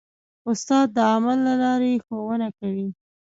استاد د عمل له لارې ښوونه کوي.